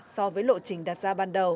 so với lộ trình đặt ra ban đầu